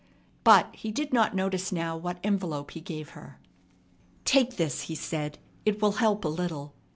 But he did not notice now what envelope he gave her. "Take this," he said. "It will help a little.